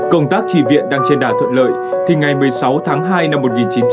công tác chỉ viện đang trên đà thuận lợi thì ngày một mươi sáu tháng hai năm một nghìn chín trăm sáu mươi năm